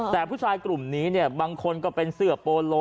แต่ผู้ชายกลุ่มนี้เนี่ยบางคนก็เป็นเสื้อโปโล